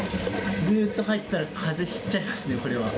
ずっと入っていたら風邪ひいちゃいますね、これは。